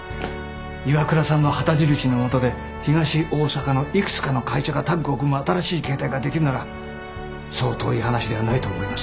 ＩＷＡＫＵＲＡさんの旗印のもとで東大阪のいくつかの会社がタッグを組む新しい形態ができるならそう遠い話ではないと思います。